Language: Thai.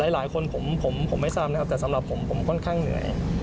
หลายคนผมไม่ทราบนะครับแต่สำหรับผมผมค่อนข้างเหนื่อย